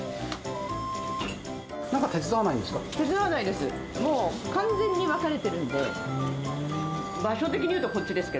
なんか手伝わないんですか？